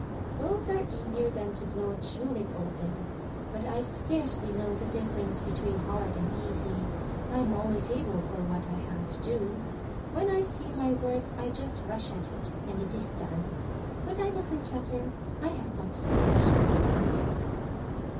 "Both are easier than to blow a tulip open. But I scarcely know the difference between hard and easy. I am always able for what I have to do. When I see my work, I just rush at it and it is done. But I mustn't chatter. I have got to sink a ship to night."